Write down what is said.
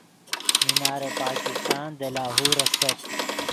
مینار پاکستان دے لاہور استت